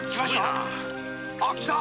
あっ来た！